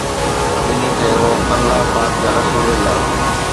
ٻنهي چيو: الله پاڪ يا رسول الله